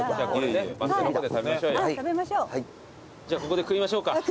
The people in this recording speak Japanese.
じゃあここで食いましょうか。